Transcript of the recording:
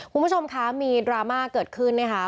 คุณผู้ชมคะมีดราม่าเกิดขึ้นนะคะ